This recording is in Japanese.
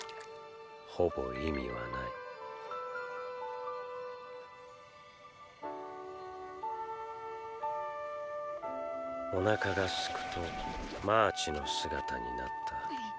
ほぼ意味はないお腹がすくとマーチの姿になった。